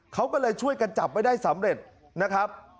เขาก็เลยช่วยกันจับไว้ได้สำเร็จนะครับ